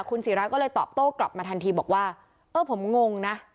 คุณศิราก็เลยตอบโต้กลับมาทันทีบอกว่าเออผมงงนะ